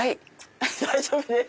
大丈夫です！